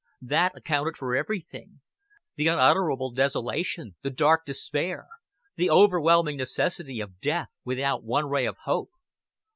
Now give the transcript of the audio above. That accounted for everything the unutterable desolation, the dark despair, the overwhelming necessity of death without one ray of hope.